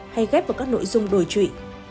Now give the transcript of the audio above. hay ghép vào các nội dung đổi trụy